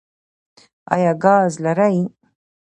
ایا ګاز لرئ؟